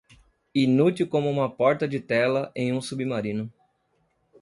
Inútil como uma porta de tela em um submarino.